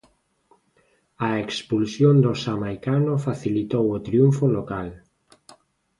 A expulsión do xamaicano facilitou o triunfo local.